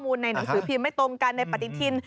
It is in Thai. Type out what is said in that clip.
ข้อมูลในหนังสือภีมไม่ตรงกันในปฏิทิน